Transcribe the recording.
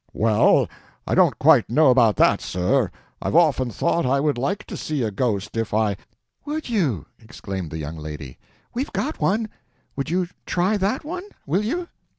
"Well, I don't quite know about that, sir. I've often thought I would like to see a ghost if I—" "Would you?" exclaimed the young lady. "We've got one! Would you try that one? Will you?"